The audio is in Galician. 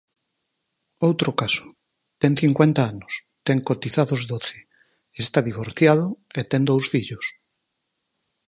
Outro caso: ten cincuenta anos, ten cotizados doce, está divorciado e ten dous fillos.